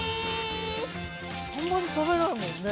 あんまり食べないもんね。